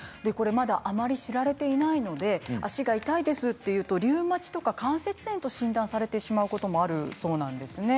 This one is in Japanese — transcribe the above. あまり知られていないので足が痛いですと言うとリウマチとか関節炎と診断されてしまうこともあるそうなんですね。